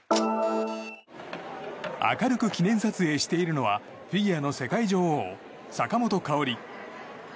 明るく記念撮影しているのはフィギュアの世界女王坂本花織。